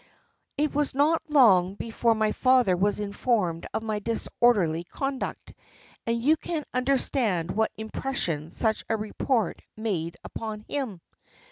"It was not long before my father was informed of my disorderly conduct, and you can understand what impression such a report made upon him.